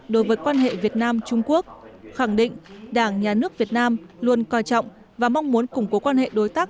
đối với quan hệ việt nam trung quốc khẳng định đảng nhà nước việt nam luôn coi trọng và mong muốn củng cố quan hệ đối tác